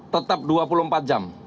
tetap dua puluh empat jam